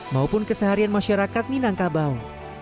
maupun keseharian masyarakat minangkabau